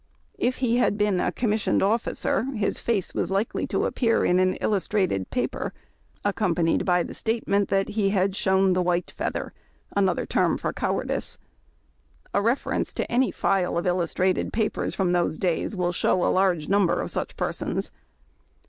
If he had been a commissioned officer, his face was likely to appear in an illustrated paper, accom panied by the statement that he had "shown the white feather," — another term for cowardice. A reference to any file of illustrated papers of those days will show a large number of such persons.